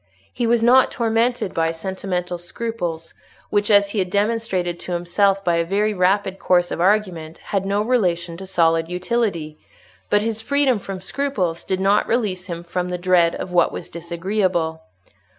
He was not tormented by sentimental scruples which, as he had demonstrated to himself by a very rapid course of argument, had no relation to solid utility; but his freedom from scruples did not release him from the dread of what was disagreeable.